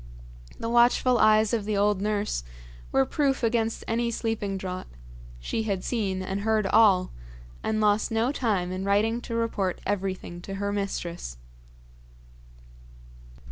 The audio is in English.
The watchful eyes of the old nurse were proof against any sleeping draught she had seen and heard all; and lost no time in writing to report everything to her mistress.